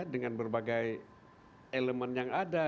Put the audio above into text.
dengan berbagai elemen yang ada